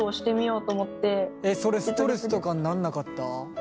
それストレスとかになんなかった？